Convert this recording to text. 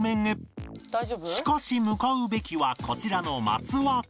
しかし向かうべきはこちらの松輪港